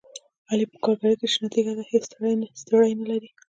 علي په کارګرۍ کې شنه تیږه دی، هېڅ ستړیې نه لري.